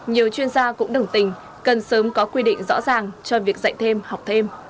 nhiều chuyên gia cũng đồng tình cần sớm có quy định rõ ràng cho việc dạy thêm học thêm